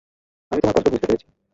আমি তোমার কষ্ট বুঝতে পেরেছি।